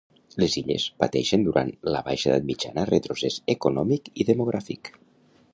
Les Illes pateixen durant la Baixa Edat Mitjana retrocés econòmic i demogràfic.